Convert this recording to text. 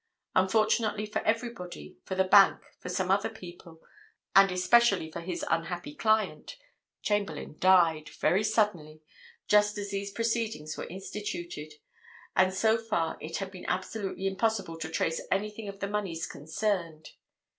Unfortunately for everybody, for the bank, for some other people, and especially for his unhappy client, Chamberlayne died, very suddenly, just as these proceedings were instituted, and so far it had been absolutely impossible to trace anything of the moneys concerned.